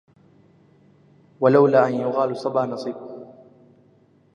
ولولا ان يقال صبا نصيب